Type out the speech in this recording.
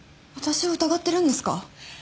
私を疑ってるんですか？